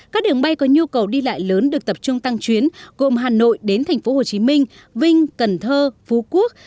các đường bay có nhu cầu đi lại lớn được tập trung tăng chuyến gồm hà nội đến tp hcm vinh cần thơ phú quốc